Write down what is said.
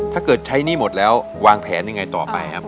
ถ้าเกิดใช้หนี้หมดแล้ววางแผนยังไงต่อไปครับ